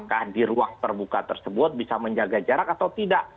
apakah di ruang terbuka tersebut bisa menjaga jarak atau tidak